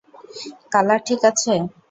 Colour ঠিক আছে?